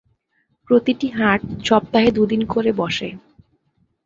প্রতিটি হাট সপ্তাহে দুদিন করে বসে।